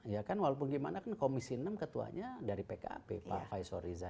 ya kan walaupun gimana kan komisi enam ketuanya dari pkb pak faisal riza